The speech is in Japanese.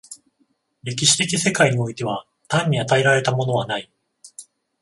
歴史的世界においては単に与えられたものはない。